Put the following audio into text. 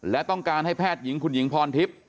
และต้องการให้แพทย์หญิงคุณหญิงพรทิพย์